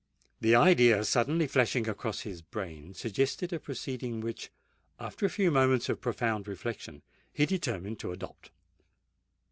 This idea, suddenly flashing across his brain, suggested a proceeding which, after a few minutes of profound reflection, he determined to adopt.